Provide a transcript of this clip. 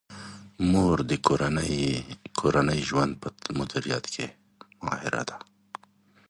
مور د کورني ژوند په مدیریت کې ماهر ده.